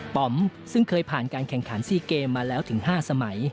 ปอมซึ่งเคยผ่านการแข่งขัน๔เกมมาแล้วถึง๕สมัย